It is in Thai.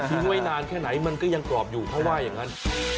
ไว้นานแค่ไหนมันก็ยังกรอบอยู่เขาว่าอย่างนั้น